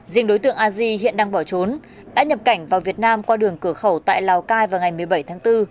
riêng đối tượng aji hiện đang bỏ trốn đã nhập cảnh vào việt nam qua đường cửa khẩu tại lào cai vào ngày một mươi bảy tháng bốn